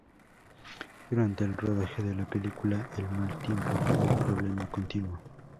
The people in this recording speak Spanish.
Durante el rodaje de la película, el mal tiempo fue un problema continuo.